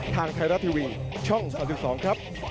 ทางไทยรัฐทีวีช่อง๓๒ครับ